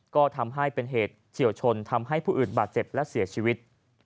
ก็ทำให้เป็นเหตุเฉียวชนทำให้ผู้อื่นบาดเจ็บและเสียชีวิต